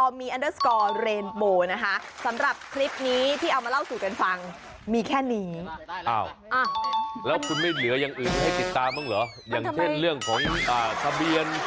โปรดติดตามตอนต่อไป